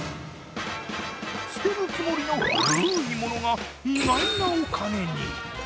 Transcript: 捨てるつもりの古いものが意外なお金に。